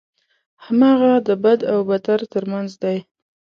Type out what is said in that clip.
هماغه د بد او بدتر ترمنځ دی.